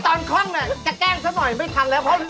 ตอนคล่องจะแกล้งเท่านั้นหน่อยไม่ทันแล้ว